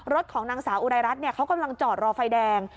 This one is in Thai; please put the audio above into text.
รถของนางสาอุไรรัฐเนี่ยเค้ากำลังจอดรอไฟแดง